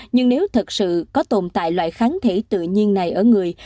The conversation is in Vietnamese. nhưng nếu thật sự có tồn tại loại kháng thể tự nhiên này ở người